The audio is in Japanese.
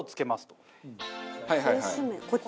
こっち？